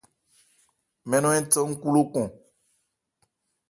Mɛ́n nɔ̂n ń than ńkhú lókɔn.